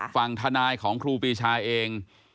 ฝั่งทนายของครูปีชาเอง